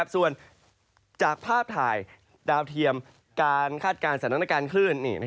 ส่วนจากภาพถ่ายดาวเทียมการคาดการณ์สถานการณ์คลื่น